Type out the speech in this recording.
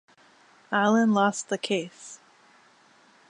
Allan lost the case.